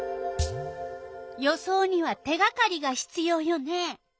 予想には手がかりがひつようよね。